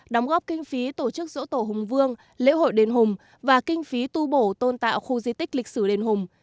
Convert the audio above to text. đóng góp kinh phí tổ chức dỗ tổ hùng vương lễ hội đền hùng và kinh phí tu bổ tôn tạo khu di tích lịch sử đền hùng